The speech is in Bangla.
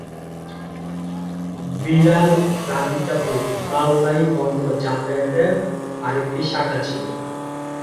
বিরাল-রাধিকাপুর মালবাহী পণ্য যাতায়াতের আরেকটি শাখা ছিল।